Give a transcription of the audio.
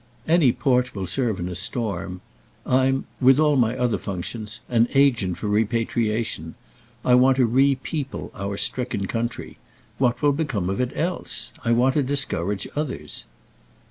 "Any port will serve in a storm. I'm—with all my other functions—an agent for repatriation. I want to re people our stricken country. What will become of it else? I want to discourage others."